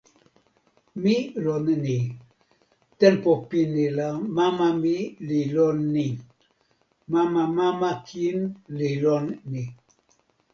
mi lon ni. tenpo pini la mama mi li lon ni. mama mama kin li lon ni.